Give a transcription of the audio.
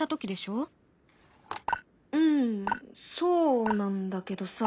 うんそうなんだけどさ。